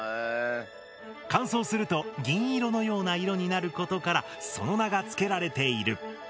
乾燥すると銀色のような色になることからその名が付けられている。